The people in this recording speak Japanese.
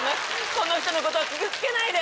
この人のことを傷つけないで！